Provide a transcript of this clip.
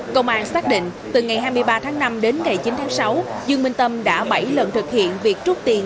công an xác định từ ngày hai mươi ba tháng năm đến ngày chín tháng sáu dương minh tâm đã bảy lần thực hiện việc trút tiền